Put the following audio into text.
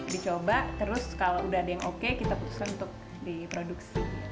dicoba terus kalau udah ada yang oke kita putuskan untuk diproduksi